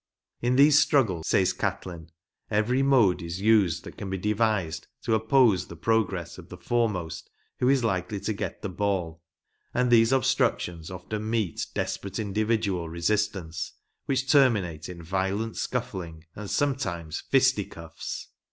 " In these struggles," says Catlin, " every mode is used that can be devised to oppose the progress of the foremost who is likely to get the ball, and these obstructions often meet desperate individual resistance, which terminate in violent scuffling, and sometiines fisticuffs